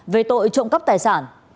về tội trộm cấp tài sản